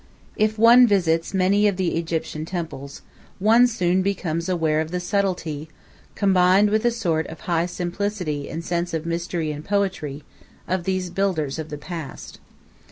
If one visits many of the Egyptian temples, one soon becomes aware of the subtlety, combined with a sort of high simplicity and sense of mystery and poetry, of these builders of the past.